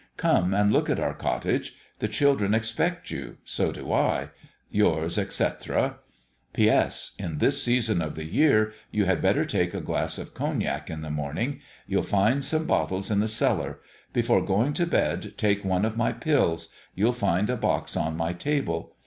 Come and look at our cottage. The children expect you; so do I. Yours, etc. P.S. At this season of the year you had better take a glass of Cognac in the morning. You'll find some bottles in the cellar. Before going to bed take one of my pills. You'll find a box on my table.